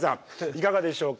いかがでしょうか。